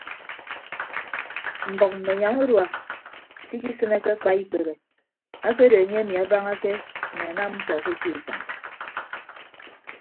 Mbʌk mme anyam urua se ikisịne ke akpa ikpehe akedo enye emi abañake mme anam mkpọ ke eti usʌñ.